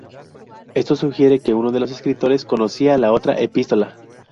Esto sugiere que uno de los escritores conocía la otra epístola.